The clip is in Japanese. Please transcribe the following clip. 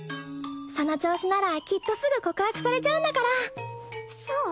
その調子ならきっとすぐ告白されちゃうんだからそう？